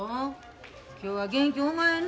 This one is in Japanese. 今日は元気おまへんなあ。